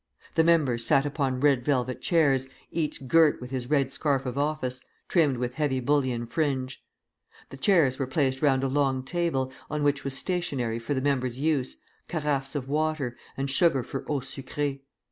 The members sat upon red velvet chairs, each girt with his red scarf of office, trimmed with heavy bullion fringe. The chairs were placed round a long table, on which was stationery for the members' use, carafes of water, and sugar for eau sucrée.